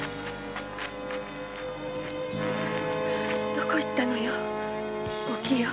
どこへ行ったのよお清。